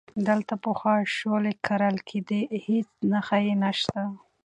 دلته پخوا شولې کرلې کېدې، هیڅ نښه یې نشته،